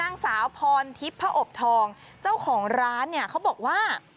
นางสาวพรทิพย์พระอบทองเจ้าของร้านเนี่ยเขาบอกว่า